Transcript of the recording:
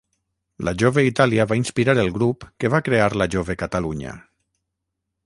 La Jove Itàlia va inspirar el grup que va crear la Jove Catalunya.